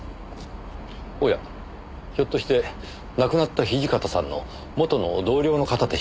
おやひょっとして亡くなった土方さんの元の同僚の方でしょうか？